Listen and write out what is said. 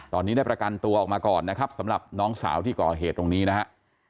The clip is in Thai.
ตอนนี้ได้ประกันตัวออกมาก่อนนะครับสำหรับน้องสาวที่ก่อเหตุตรงนี้นะฮะ